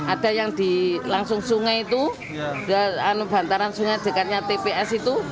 ada yang di langsung sungai itu bantaran sungai dekatnya tps itu